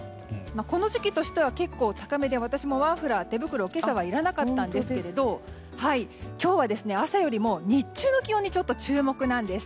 この時期としては結構高めで私もマフラー、手袋今朝はいらなかったんですけれど今日は朝よりも日中の気温に注目なんです。